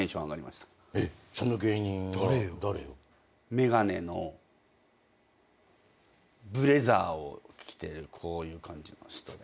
眼鏡のブレザーを着てるこういう感じの人で。